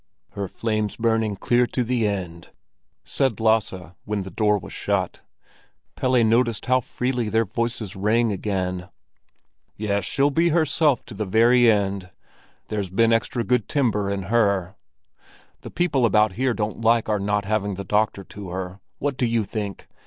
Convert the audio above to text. "Her flame's burning clear to the end!" said Lasse, when the door was shut. Pelle noticed how freely their voices rang again. "Yes, she'll be herself to the very end; there's been extra good timber in her. The people about here don't like our not having the doctor to her. What do you think?